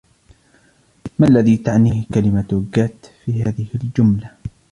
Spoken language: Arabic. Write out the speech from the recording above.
ما الذي تعنيه كلمة " get " في هذه الجملة ؟